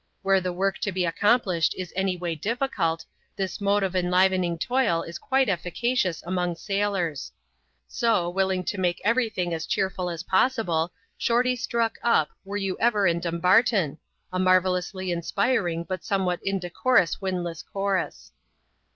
Where the work to be accomplished is any way difficult, this mode of enlivening toil is quite efficacious among sailors. So, willing to make every thing as cheerful as possible, Shorty struck up, "Were you ever in Dumbarton?" a marvellously inspiring, but somewhat indecorous windlass chorus.